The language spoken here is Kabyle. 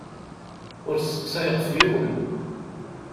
Ur sseqsayeɣ ɣef yiwen.